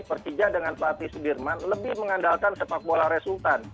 persija dengan pelatih sudirman lebih mengandalkan sepak bola resultan